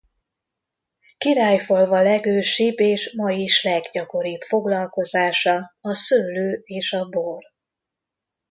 Királyfalva legősibb és ma is leggyakoribb foglalkozása a szőlő és a bor.